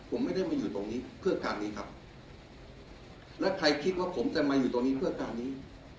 ผมไม่ได้มาอยู่ตรงนี้เพื่อการนี้ครับแล้วใครคิดว่าผมจะมาอยู่ตรงนี้เพื่อการนี้